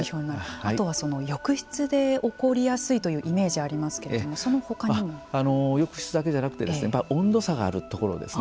あとは浴室で起こりやすいというイメージがありますけれども浴室だけじゃなくて温度差があるところですね。